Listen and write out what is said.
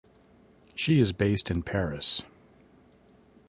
She is based in Paris.